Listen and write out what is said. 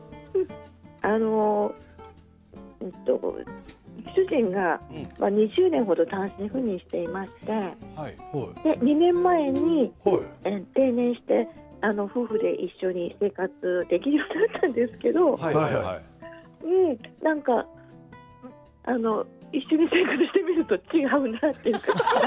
あの主人が２０年程単身赴任していまして２年前に定年して夫婦で一緒に生活できるようになったんですけどなんか一緒に生活してみると、違うなって。